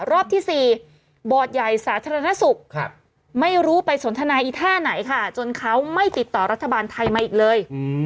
รอบที่๔บอร์ดใหญ่สาธารณสุขไม่รู้ไปสนทนาอีท่าไหนค่ะจนเขาไม่ติดต่อรัฐบาลไทยมาอีกเลย